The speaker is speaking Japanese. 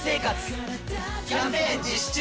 キャンペーン実施中！